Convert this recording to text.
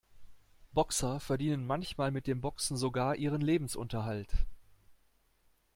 Boxer verdienen manchmal mit dem Boxen sogar ihren Lebensunterhalt.